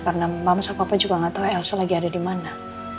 karena mama sama papa juga gak tau elsa lagi ada dimana